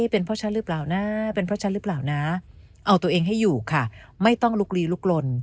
เป็นเพราะฉันหรือเปล่านะเอาตัวเองให้อยู่ค่ะไม่ต้องลุกลีลุกลน